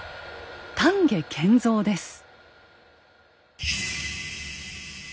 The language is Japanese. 丹下健三です。